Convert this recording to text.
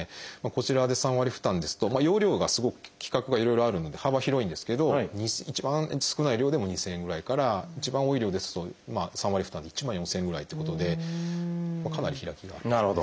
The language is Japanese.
こちらで３割負担ですと用量が規格がいろいろあるので幅広いんですけど一番少ない量でも２，０００円ぐらいから一番多い量ですと３割負担で１万４，０００円ぐらいということでかなり開きがありますね。